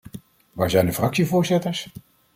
Waar zijn de fractievoorzitters?